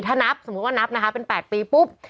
ถ้านับสมมุติว่านับนะคะเป็น๘ปีปุ๊บ